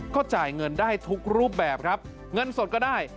ก็จ่ายเงินได้ทุกรูปแบบครับเงินสดก็ได้